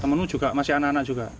temennya juga masih anak anak juga